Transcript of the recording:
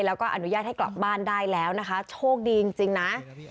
แล้วก็อนุญาตให้กลับบ้านได้แล้วนะคะโชคดีจริงนะ